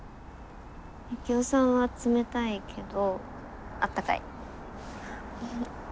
ユキオさんは冷たいけど温かい。